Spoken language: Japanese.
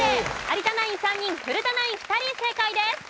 有田ナイン３人古田ナイン２人正解です。